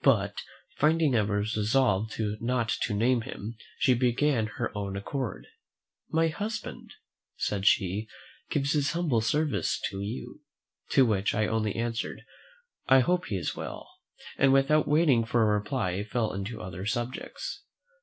But, finding I was resolved not to name him, she began of her own accord. "My husband," said she, "gives his humble service to you;" to which I only answered, "I hope he is well;" and, without waiting for a reply, fell into other subjects.